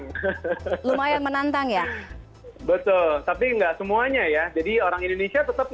kalo pertanyaannya apakah bisnis kopi itu selama pandemi itu turun ya bisa dibilang untuk arabica terutama yang speciality kopi itu dampaknya lumayan menantang